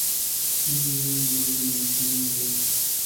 Mji huu mdogo una historia ndefu.